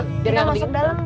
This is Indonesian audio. kita masuk ke dalam